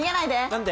何で？